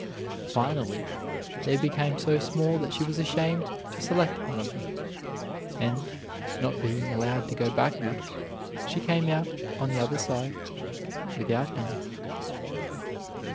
Finally they became so small that she was ashamed to select one of them; and, not being allowed to go backward, she came out on the other side without any.